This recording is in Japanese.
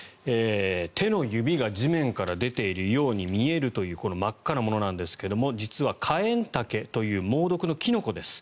手の指が地面から出ているように見えるというこの真っ赤なものなんですが実はカエンタケという猛毒のキノコです。